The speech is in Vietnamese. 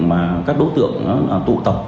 mà các đối tượng tụ tập